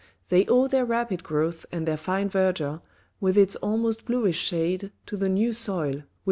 They owe their rapid growth and their fine verdure with its almost bluish shade to the new soil, which M.